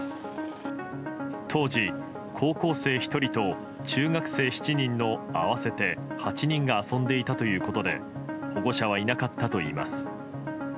当時、高校生１人と中学生７人の合わせて８人が遊んでいたということで保護者はいなかったといいます。